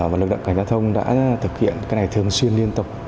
và lực lượng cảnh giao thông đã thực hiện cái này thường xuyên liên tục